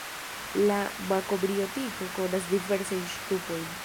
La makrobiotiko konas diversajn ŝtupojn.